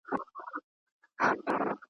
¬ شرمښ د خدايه څه غواړي، يا باد يا باران.